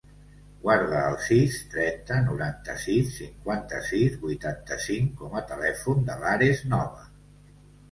Guarda el sis, trenta, noranta-sis, cinquanta-sis, vuitanta-cinc com a telèfon de l'Ares Nova.